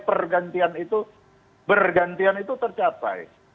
pergantian itu bergantian itu tercapai